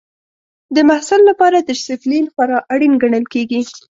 د محصل لپاره ډسپلین خورا اړین ګڼل کېږي.